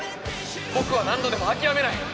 僕は何度でも諦めない！